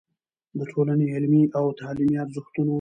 د ټولنې علمي او تعليمي ارزښتونو